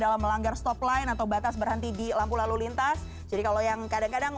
dalam melanggar stop line atau batas berhenti di lampu lalu lintas jadi kalau yang kadang kadang